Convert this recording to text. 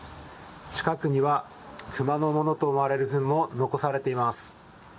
近くには熊のものと思われるフンも残されています。